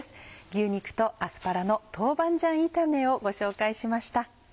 「牛肉とアスパラの豆板醤炒め」をご紹介しました。